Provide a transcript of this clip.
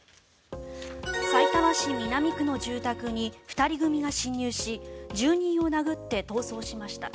さいたま市南区の住宅に２人組が侵入し住人を殴って逃走しました。